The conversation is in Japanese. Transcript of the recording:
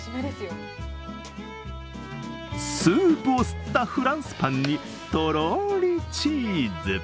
スープを吸ったフランスパンにとろりチーズ。